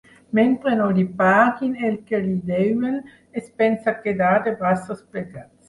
Mentre no li paguin el que li deuen es pensa quedar de braços plegats.